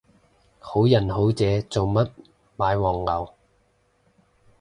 好人好姐做咩買黃牛